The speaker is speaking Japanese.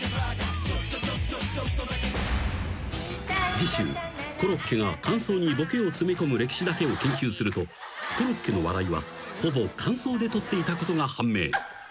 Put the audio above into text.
［次週コロッケが間奏にボケを詰め込む歴史だけを研究するとコロッケの笑いはほぼ間奏で取っていたことが判明］